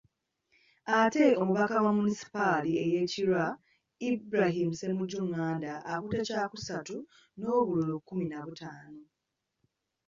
Ate omubaka wa munisipaali y'e Kira, Ibrahim Ssemujju Nganda akutte kyakusatu n’obululu kkumi na butaano.